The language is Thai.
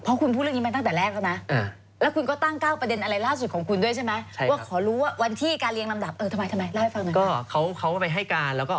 เพราะคุณพูดเรื่องนี้มาตั้งแต่แรกแล้วนะ